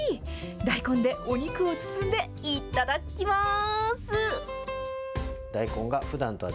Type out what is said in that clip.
大根でお肉を包んでいっただっきまーす。